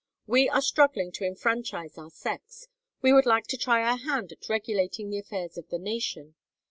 "We are struggling to enfranchise our sex. We would like to try our hand at regulating the affairs of the nation.